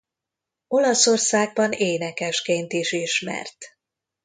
Olaszországban énekesként is ismert.